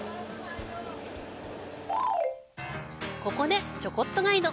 ここで、ちょこっとガイド。